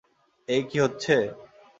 এই কি হচ্ছে?